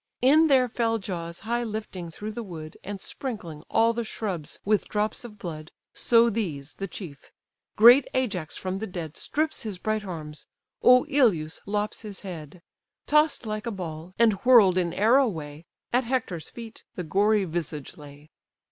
In their fell jaws high lifting through the wood, And sprinkling all the shrubs with drops of blood; So these, the chief: great Ajax from the dead Strips his bright arms; Oïleus lops his head: Toss'd like a ball, and whirl'd in air away, At Hector's feet the gory visage lay.